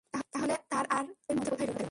তাহলে তার আর আমাদের মধ্যে পার্থক্য কোথায় রইলো?